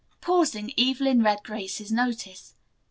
Pausing, Evelyn read Grace's notice.